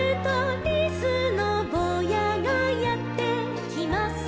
「やぎのぼうやがやってきます」